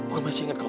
gue masih ingat kamu